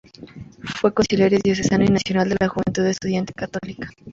Fue consiliario diocesano y nacional de la Juventud Estudiante Católica.